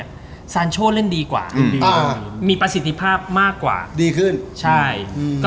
เขาเรียกว่าเดี๋ยวปรับตัวใช่ไหม